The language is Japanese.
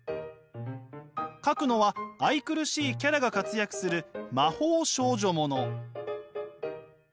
描くのは愛くるしいキャラが活躍する魔法少女もの。